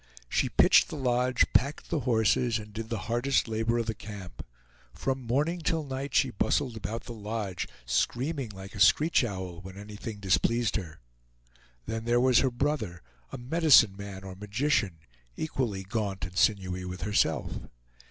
She pitched the lodge, packed the horses, and did the hardest labor of the camp. From morning till night she bustled about the lodge, screaming like a screech owl when anything displeased her. Then there was her brother, a "medicine man," or magician, equally gaunt and sinewy with herself.